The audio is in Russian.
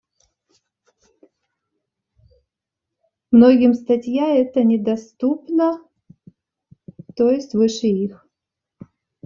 Многим статья эта недоступна, то есть выше их.